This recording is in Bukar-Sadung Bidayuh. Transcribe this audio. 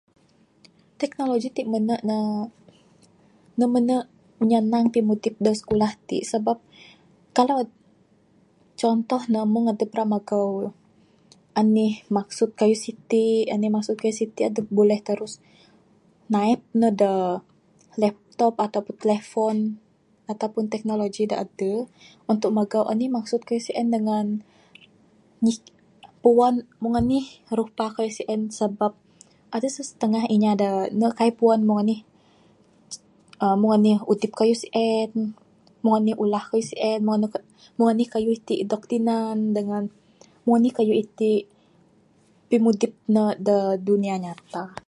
Teknologi t mene ne ne mene nyenang pimudip dak sikulah t. Sabab kalau contoh ne mung dep ira megau enih maksud keyuh siti enih maksud keyuh siti adep boleh terus naip ne dak laptop ataupun telefon ataupun teknologi dak adeh untuk megau enih maksud keyuh sien dengan ni puan mung enih rupa keyuh sien sabab adeh sesetengah inya dak ne kai puan mung enih uhh mung anih idup keyuh sien mung nih ulah keyuh sien mung nih keyuh t dok tinan dengan mung nih keyuh iti pimudip ne dak dunia nyata.